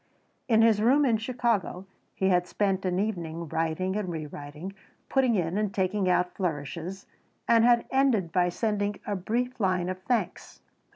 In his room in Chicago he had spent an evening writing and rewriting, putting in and taking out flourishes, and had ended by sending a brief line of thanks.